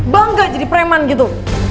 bangga jadi preman gitu